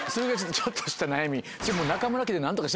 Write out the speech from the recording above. ちょっとした悩み。